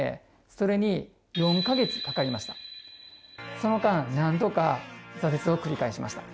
その間何度か挫折を繰り返しました。